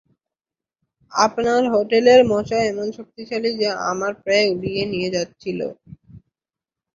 আপনার হোটেলের মশা এমন শক্তিশালী যে আমার প্রায় উড়িয়ে নিয়ে যাচ্ছিল।